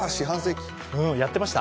やってました？